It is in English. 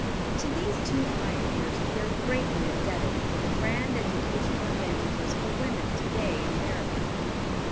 To these two pioneers we are greatly indebted for the grand educational advantages for women to day in America.